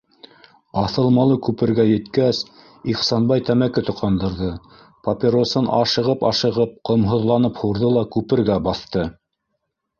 Аҫылмалы күпергә еткәс, Ихсанбай тәмәке тоҡандырҙы, папиросын ашығып-ашығып, ҡомһоҙланып һурҙы ла күпергә баҫты.